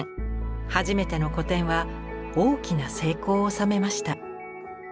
初めての個展は大きな成功を収めました。